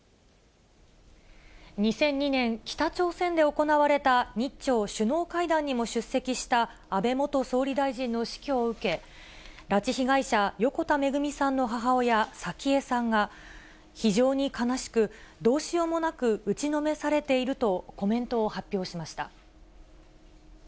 ２００２年、北朝鮮で行われた日朝首脳会談にも出席した安倍元総理大臣の死去を受け、拉致被害者、横田めぐみさんの母親、早紀江さんが、非常に悲しく、どうしようもなく打ちのめされているとコメントを発表しました。